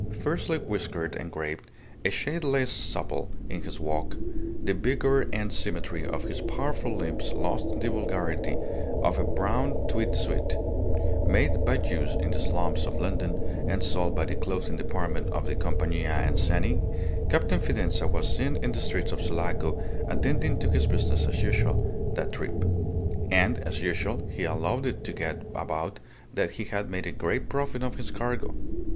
Fiercely whiskered and grave, a shade less supple in his walk, the vigour and symmetry of his powerful limbs lost in the vulgarity of a brown tweed suit, made by Jews in the slums of London, and sold by the clothing department of the Compania Anzani, Captain Fidanza was seen in the streets of Sulaco attending to his business, as usual, that trip. And, as usual, he allowed it to get about that he had made a great profit on his cargo.